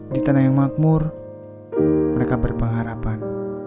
di tanah yang makmur mereka berpengharapan